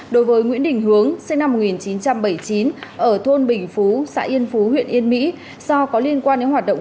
đối với nguyễn đình hướng sinh năm một nghìn chín trăm bảy mươi chín ở thôn bình phú xã yên phú huyện yên mỹ do có liên quan đến hoạt động